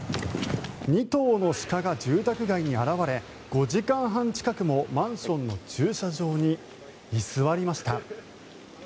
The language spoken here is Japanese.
２頭の鹿が住宅街に現れ５時間半近くもマンションの駐車場に居座りました。